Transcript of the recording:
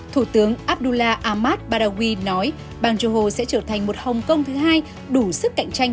thủ tướng abdullah ahmad badawi nói bang johor sẽ trở thành một hong kong thứ hai đủ sức cạnh tranh